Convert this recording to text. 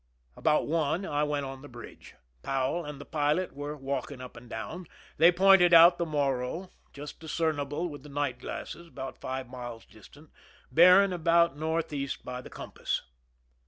About one I went on the bridge. Powell and the pilot were walking up and down. They pointed out the Morro, just discernible with the night glasses, about five miles distant, bearing about northeast by the compass.